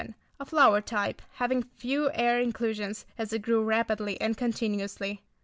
A flower type, having few air inclusions, as it grew rapidly and continuously.